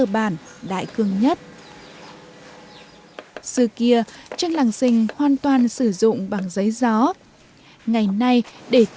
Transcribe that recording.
bản khắc đẹp thì mới cho ra được bức tranh đẹp